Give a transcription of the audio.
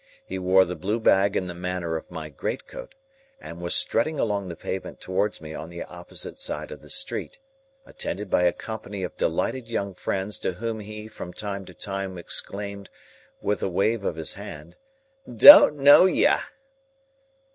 He wore the blue bag in the manner of my great coat, and was strutting along the pavement towards me on the opposite side of the street, attended by a company of delighted young friends to whom he from time to time exclaimed, with a wave of his hand, "Don't know yah!"